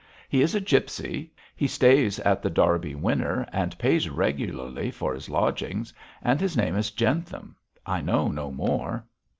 'He is a gipsy; he stays at The Derby Winner and pays regularly for his lodgings; and his name is Jentham. I know no more.'